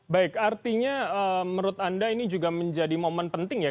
baik artinya menurut anda ini juga menjadi momen penting ya